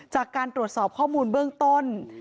จากการตรวจสอบข้อมูลเบื้องต้น